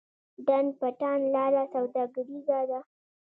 ډنډ پټان لاره سوداګریزه ده؟